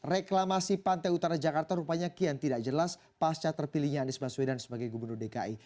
reklamasi pantai utara jakarta rupanya kian tidak jelas pasca terpilihnya anies baswedan sebagai gubernur dki